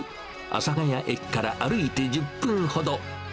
阿佐ヶ谷駅から歩いて１０分ほど。